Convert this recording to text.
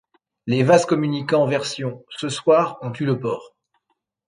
Les vases communicants version «ce soir on tue le porc».